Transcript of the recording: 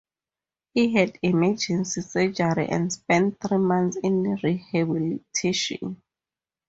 He had emergency surgery and spent three months in rehabilitation.